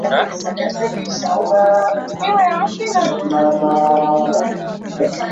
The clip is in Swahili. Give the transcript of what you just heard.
wasikilizaji wanatumia ujumbe kuchagua nyimbo wanazozipenda